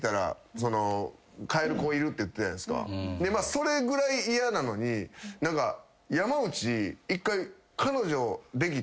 それぐらい嫌なのに山内１回。